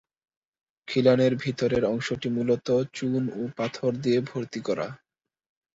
খিলানের ভিতরের অংশটি মূলত চুন ও পাথর দিয়ে ভর্তি করা।